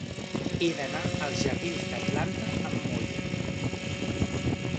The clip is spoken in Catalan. He d'anar als jardins d'Atlanta amb moto.